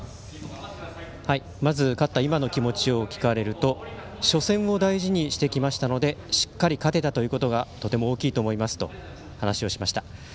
まず勝った今の気持ちを聞かれると初戦を大事にしてきましたのでしっかり勝てたということがとても大きいと思いますと話していました。